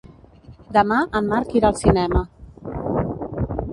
Demà en Marc irà al cinema.